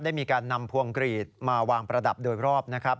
ได้มีการนำพวงกรีดมาวางประดับโดยรอบนะครับ